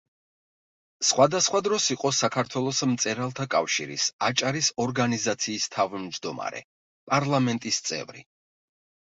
სხვადასხვა დროს იყო საქართველოს მწერალთა კავშირის აჭარის ორგანიზაციის თავმჯდომარე, პარლამენტის წევრი.